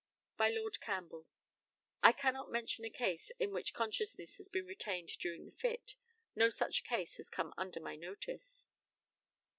By Lord CAMPBELL: I cannot mention a case in which consciousness has been retained during the fit. No such case has come under my notice.